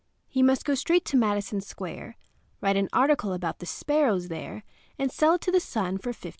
He must go straight to Madison Square, write an article about the sparrows there, and sell it to the Sun for $15.